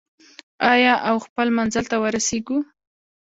آیا او خپل منزل ته ورسیږو؟